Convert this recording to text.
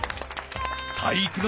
体育ノ